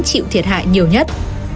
chịu thiệt hại nhiều nhất